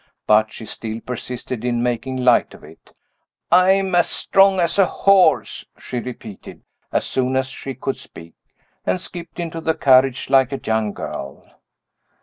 But she still persisted in making light of it. "I'm as strong as a horse," she repeated, as soon as she could speak and skipped into the carriage like a young girl.